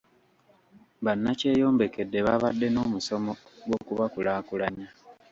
Bannakyeyombekedde baabadde n'omusomo gw'okubakulaakulanya.